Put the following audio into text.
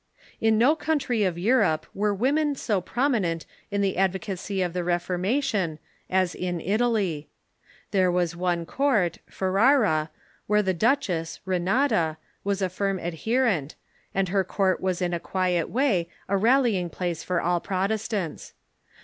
In no country of Europe were women so prominent in the advocacy of the Reformation as in Italy, There was one court, Ferrara, where the duchess, Renata, was a Woman's Work ,. n ^ i i i. • 4. firm adherent, and her court was in a quiet way a rallying place for all Protestants.